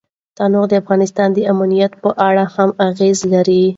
تنوع د افغانستان د امنیت په اړه هم اغېز لري.